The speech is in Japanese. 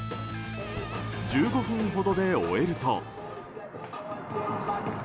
１５分ほどで終えると。